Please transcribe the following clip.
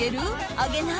あげない？